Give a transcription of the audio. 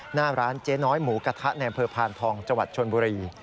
หน้าร้านเจ๊น้อยหมูกระทะในอำเภอพานทองจังหวัดชนบุรี